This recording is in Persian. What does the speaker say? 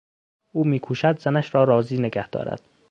او میکوشد زنش را راضی نگه دارد.